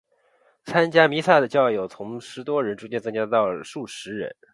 参加弥撒的教友从十多人逐渐增加到数十人。